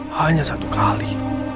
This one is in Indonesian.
hanya satu kali